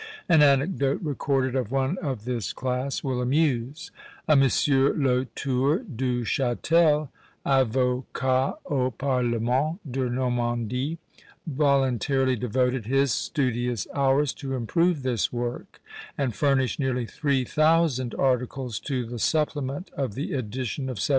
An anecdote recorded of one of this class will amuse: A Monsieur Lautour du Chatel, avocat au parlement de Normandie, voluntarily devoted his studious hours to improve this work, and furnished nearly three thousand articles to the supplement of the edition of 1752.